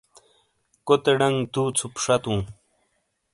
کوتے ڈنگ دُو ژُپ شاتُوں۔